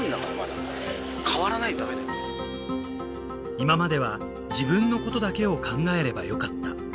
今までは自分のことだけを考えればよかった